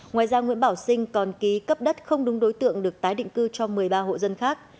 ngoài ra nguyễn bảo sinh còn ký cấp đất không đúng đối tượng được tái định cư cho một mươi ba hộ dân khác